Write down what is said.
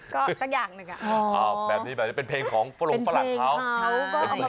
ก็สักอย่างหนึ่งอ่ะแบบนี้แบบนี้เป็นเพลงของฝรงฝรั่งเขา